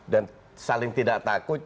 dan saling tidak takut